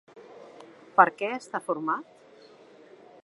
Per què està format?